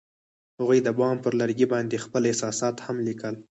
هغوی د بام پر لرګي باندې خپل احساسات هم لیکل.